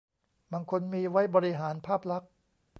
บางคนมีไว้บริหารภาพลักษณ์